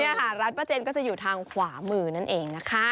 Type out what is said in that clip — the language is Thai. นี่ค่ะร้านป้าเจนก็จะอยู่ทางขวามือนั่นเองนะคะ